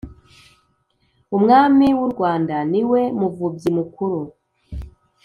umwami w’urwanda niwe muvubyi mukuru!